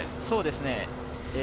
そうですね。